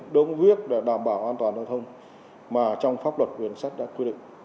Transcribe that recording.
đối với việc đảm bảo an toàn đoàn thông mà trong pháp luật quyền sắt đã quyết định